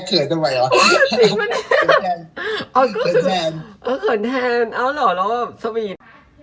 อ้าเหรอแล้วว่าสวีต